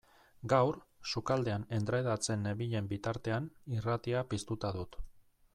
Gaur, sukaldean endredatzen nenbilen bitartean, irratia piztuta dut.